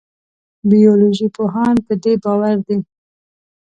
بیولوژي پوهان په دې باور دي.